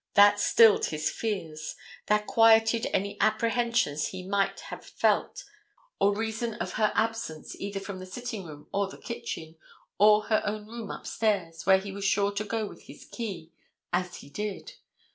That stilled his fears; that quieted any apprehensions he might have felt or reason of her absence either from the sitting room or the kitchen, or her own room upstairs, where he was sure to go with his key, as he did.